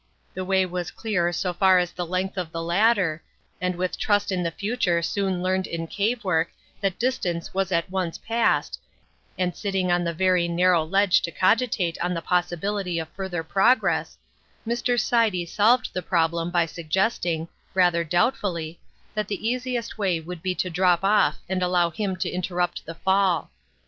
The way was clear so far as the length of the ladder, and with trust in the future soon learned in cave work that distance was at once passed, and sitting on the very narrow ledge to cogitate on the possibility of further progress, Mr. Sidey solved the problem by suggesting, rather doubtfully, that the easiest way would be to drop off and allow him to interrupt the fall.